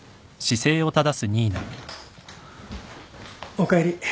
・おかえり。